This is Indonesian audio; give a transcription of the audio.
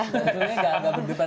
sebenarnya nggak berdebat